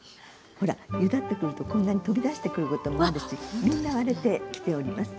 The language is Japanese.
ほらゆだってくるとこんなに飛び出してくることもあるしみんな割れてきております。